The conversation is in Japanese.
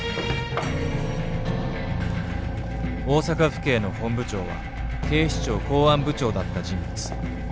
大阪府警の本部長は警視庁公安部長だった人物。